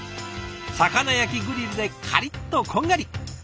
魚焼きグリルでカリッとこんがり！